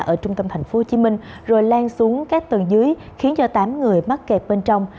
ở trung tâm tp hcm rồi lan xuống các tầng dưới khiến cho tám người mắc kẹt bên trong